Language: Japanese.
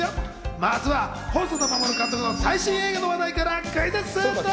まずは細田守監督の最新映画の話題からクイズッス！